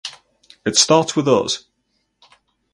It starts with us.